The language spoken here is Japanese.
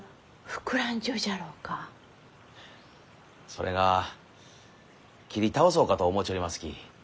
それが切り倒そうかと思うちょりますき。